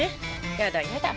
やだやだ。